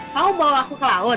kau bawa aku ke laut